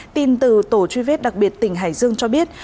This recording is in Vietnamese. tin từ tổ truy vết đặc biệt tỉnh hải dương cho biết